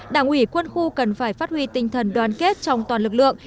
đảng ủy quân khu cần phải phát huy tinh thần đoàn kết trong toàn lực lượng